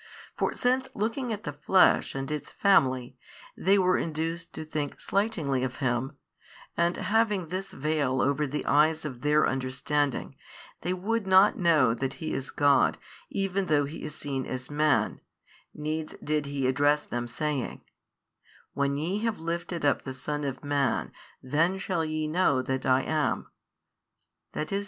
For since looking at the Flesh and its family, they were induced to think slightingly of Him and, having this vail over the eyes of their understanding, they would not know that He is God even though He is seen as Man, needs did He address them saying, When ye have lifted up the Son of Man then shall ye know that I am, i. e.